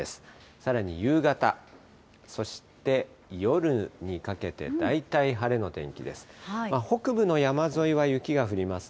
さらに夕方、そして夜にかけて、大体晴れの天気です。